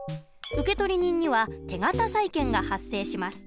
受取人には手形債権が発生します。